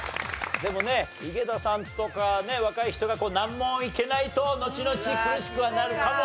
でもね井桁さんとかね若い人が難問いけないとのちのち苦しくはなるかも。